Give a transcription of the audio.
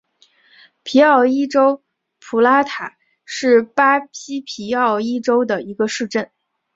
皮奥伊州普拉塔是巴西皮奥伊州的一个市镇。